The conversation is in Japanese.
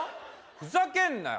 ふざけんなよ